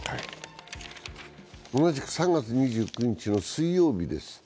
同じく３月２９日の水曜日です